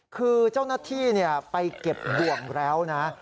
คือเจ้าหน้าที่ไปเก็บบ่วงแล้วนะ